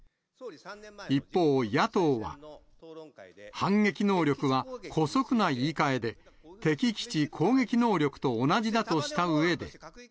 一方、野党は、反撃能力は姑息な言いかえで、敵基地攻撃能力と同じだとしたうえで。